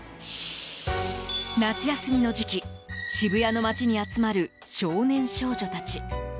夏休みの時期渋谷の街に集まる少年少女たち。